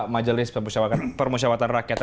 majelis permusyawatan rakyat